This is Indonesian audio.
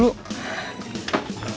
makasih bisaan ada